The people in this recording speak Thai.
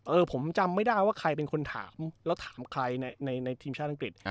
ผมจำไม่ได้ว่าใครเป็นคนถามแล้วถามใครในทีมชาติอังกฤษ